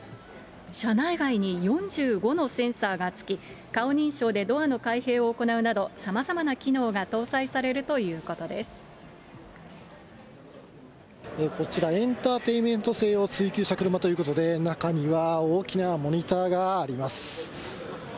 車内外に４５のセンサーがつき、顔認証でドアの開閉を行うなど、さまざまな機能が搭載されるといこちら、エンターテインメント性を追求した車ということで、中には大きなモニターがあります。